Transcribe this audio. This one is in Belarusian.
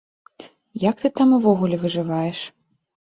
Як ты там увогуле выжываеш?